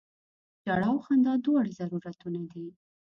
ژړا او خندا دواړه ضرورتونه دي.